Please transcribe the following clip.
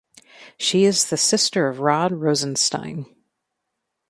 She is the sister of Rod Rosenstein.